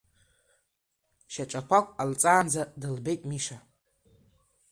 Шьаҿақәак ҟалҵаанӡа дылбеит Миша.